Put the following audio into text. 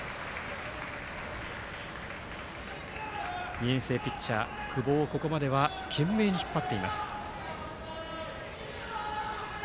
２年生ピッチャーの久保をここまで懸命に引っ張っています。